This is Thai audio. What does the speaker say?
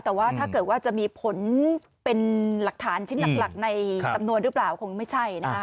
แต่ว่าถ้าเกิดว่าจะมีผลเป็นหลักฐานชิ้นหลักในสำนวนหรือเปล่าคงไม่ใช่นะคะ